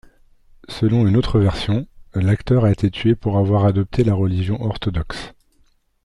Selon une autre version, l'acteur a été tué pour avoir adopté la religion orthodoxe.